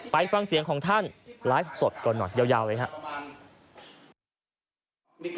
ไปฟังเสียงของท่านไลฟ์สดก่อนหน่อยยาวเลยครับ